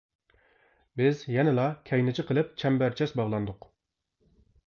بىز يەنىلا كەينىچە قىلىپ چەمبەرچاس باغلاندۇق.